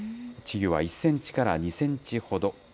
稚魚は１センチから２センチほど。